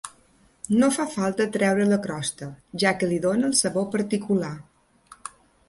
No fa falta treure la crosta, ja que li dóna el sabor particular.